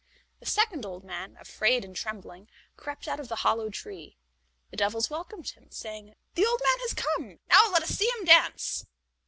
The second old man, afraid and trembling, crept out of the hollow tree. The devils welcomed him, saying: "The old man has come; now let us see him dance."